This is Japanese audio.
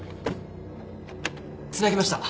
つなぎました。